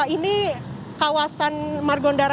ini kawasan margondara